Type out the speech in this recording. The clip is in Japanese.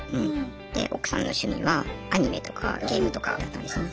で奥さんの趣味はアニメとかゲームとかだったんですね。